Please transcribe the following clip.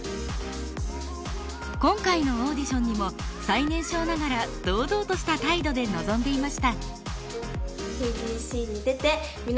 今回のオーディションにも最年少ながら堂々とした態度で臨んでいました。